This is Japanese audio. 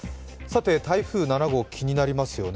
台風７号、気になりますよね。